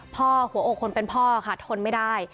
หัวอกคนเป็นพ่อค่ะทนไม่ได้